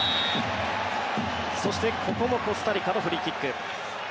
そしてここもコスタリカのフリーキック。